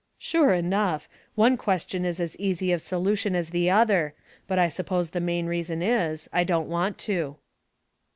" Sure enough ; one question is as easy of so lution as the other, but I suppose the main reason is — I don't want to."